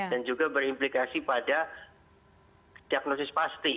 dan juga berimplikasi pada diagnosis pasti